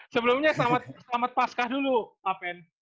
sebelumnya selamat pascah dulu pak pen